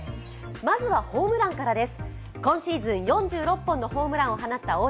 まずはホームランからです。